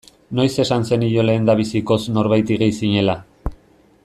Noiz esan zenion lehendabizikoz norbaiti gay zinela.